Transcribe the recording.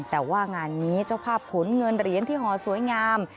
แต่ว่างานนี้เจ้าภาพขนเงินเหรียญที่ห่อสวยงาม